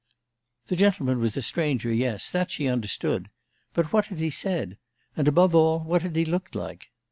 The gentleman was a stranger, yes that she understood. But what had he said? And, above all, what had he looked like?